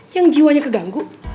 yang jiwanya keganggu